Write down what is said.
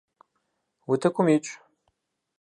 Утыкум икӏ.